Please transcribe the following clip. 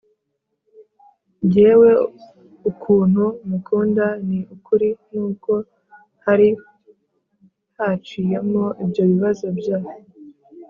Jyewe ukuntu mukunda, ni ukuri nubwo hari haciyemo ibyo bibazo bya